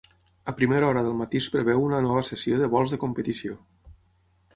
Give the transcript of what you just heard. A primera hora del matí es preveu una nova sessió de vols de competició.